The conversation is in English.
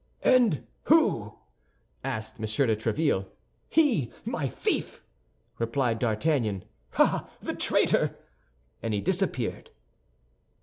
"And who?" asked M. de Tréville. "He, my thief!" replied D'Artagnan. "Ah, the traitor!" and he disappeared.